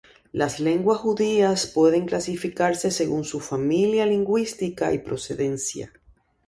Las lenguas judías pueden clasificarse según su familia lingüística y procedencia.